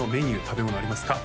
食べ物ありますか？